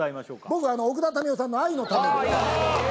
僕奥田民生さんの「愛のために」